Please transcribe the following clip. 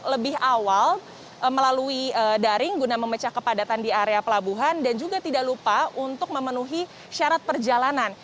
lebih awal melalui daring guna memecah kepadatan di area pelabuhan dan juga tidak lupa untuk memenuhi syarat perjalanan